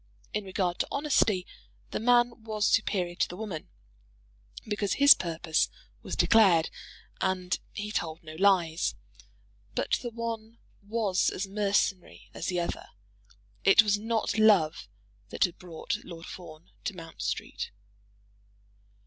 In regard to honesty, the man was superior to the woman, because his purpose was declared, and he told no lies; but the one was as mercenary as the other. It was not love that had brought Lord Fawn to Mount Street.